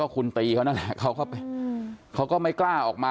คุณตีเขานั่นแหละเขาก็ไม่กล้าออกมา